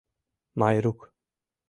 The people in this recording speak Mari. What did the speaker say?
Майрук.